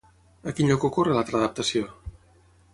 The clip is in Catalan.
A quin lloc ocorre l'altra adaptació?